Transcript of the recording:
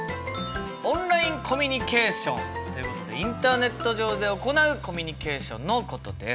「オンラインコミュニケーション」ということでインターネット上で行うコミュニケーションのことです。